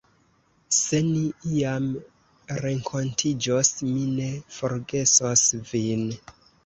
Se ni iam renkontiĝos, mi ne forgesos vin.